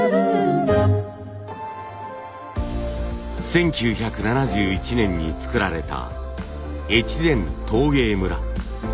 １９７１年に作られた越前陶芸村。